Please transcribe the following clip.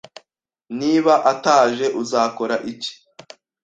Niba ataje, uzakora iki?